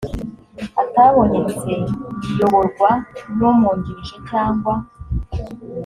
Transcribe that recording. atabonetse iyoborwa n umwungirije cyangwa